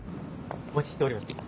お待ちしておりました。